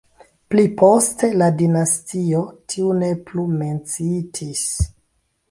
Pli poste la dinastio tiu ne plu menciitis.